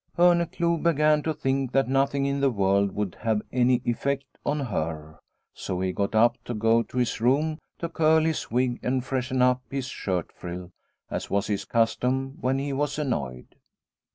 Orneclou began to think that nothing in the world would have any effect on her, so he got up to go to his room to curl his wig or freshen up his shirt frill as was his custom when he was annoyed.